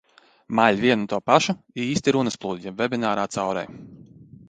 Maļ vienu un to pašu - īsti runas plūdi jeb verbālā caureja.